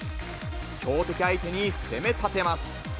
強敵相手に攻め立てます。